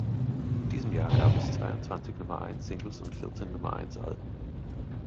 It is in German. In diesem Jahr gab es zweiundzwanzig Nummer-eins-Singles und vierzehn Nummer-eins-Alben.